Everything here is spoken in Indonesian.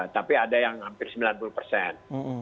tapi ada yang hampir sembilan puluh persen